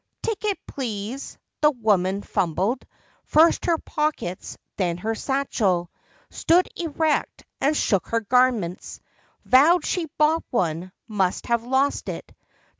"Ticket, please!" the woman fumbled, First her pockets, then her satchel; Stood erect and shook her garments; Vowed she'd bought one; must have lost it.